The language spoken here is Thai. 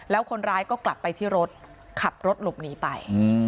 แล้วคนร้ายก็กลับไปที่รถขับรถหลบหนีไป